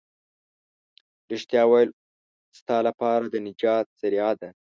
رښتيا ويل ستا لپاره د نجات ذريعه ده.